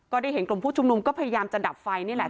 ได้เห็นกลุ่มผู้ชุมนุมก็พยายามจะดับไฟนี่แหละ